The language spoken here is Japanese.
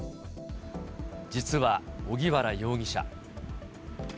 実は荻原容疑者。